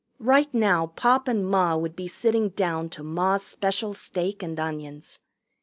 Right now Pop and Ma would be sitting down to Ma's special steak and onions.